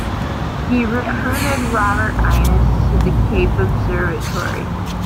He recruited Robert Innes to the Cape Observatory.